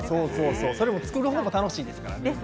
作る方も楽しいですからね。